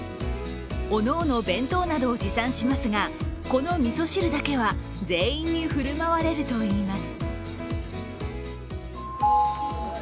おのおの弁当などを持参しますが、このみそ汁だけは全員に振る舞われるといいます。